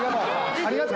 ありがとう。